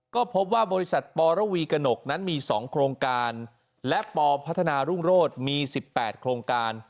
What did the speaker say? ก็พบว่าบริษัทปรวีกระหนกนั้นมี๒โครงการและปพัฒนารุ่งโรธมี๑๘โครงการ